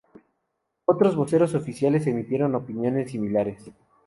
Otros voceros oficiales emitieron opiniones similares.